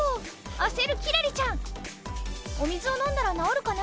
焦るキラリちゃん！お水を飲んだら治るかな？